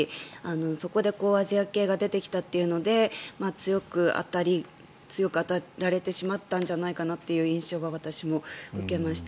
そこでアジア系が出てきたっていうので強く当たられてしまったんじゃないかなという印象は私も受けました。